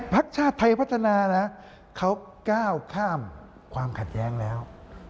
พักชาติไทยพัฒนานะเขาก้าวข้ามความขัดแย้งแล้ว